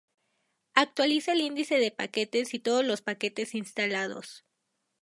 Actualiza el índice de paquetes y todos los paquetes instalados: